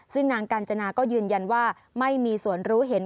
ซึ่งนางกาญจนาก็ยืนยันว่าไม่มีส่วนรู้เห็น